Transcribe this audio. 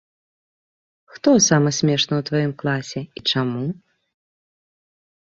Хто самы смешны ў тваім класе і чаму?